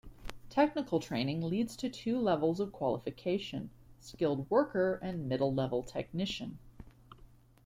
Technical training leads to two levels of qualification - skilled worker and middle-level technician.